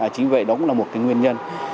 chính vậy đó cũng là một cái nguyên nhân